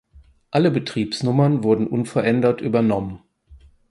Alle Betriebsnummern wurden unverändert übernommen.